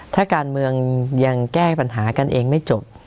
ถ้าการเมืองยังแก้ปัญหากันเองไม่จบ